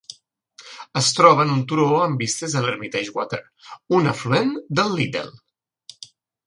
Es troba en un turó amb vistes a l'Hermitage Water, un afluent del Liddel.